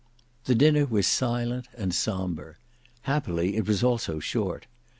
The dinner was silent and sombre; happily it was also short.